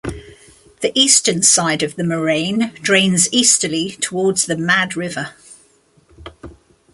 The eastern side of the moraine drains easterly towards the Mad River.